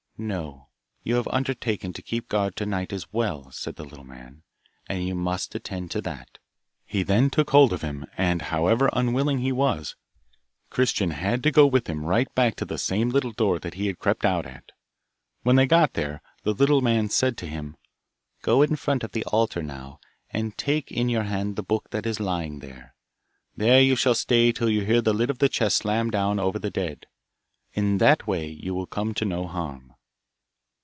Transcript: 'No, you have undertaken to keep guard to night as well,' said the little man, 'and you must attend to that.' He then took hold of him, and however unwilling he was, Christian had to go with him right back to the same little door that he had crept out at. When they got there, the little man said to him, 'Go in front of the altar now, and take in your hand the book that is lying there. There you shall stay till you hear the lid of the chest slam down over the dead. In that way you will come to no harm.